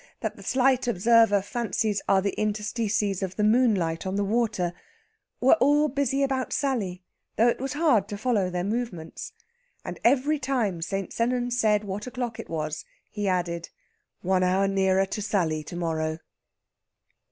that the slight observer fancies are the interstices of the moonlight on the water, were all busy about Sally, though it was hard to follow their movements. And every time St. Sennan said what o'clock it was, he added, "One hour nearer to Sally to morrow!"